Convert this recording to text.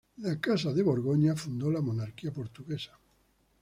La Casa de Borgoña fundó la monarquía portuguesa.